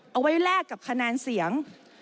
เอาไว้แลกกับคะแนนเสียง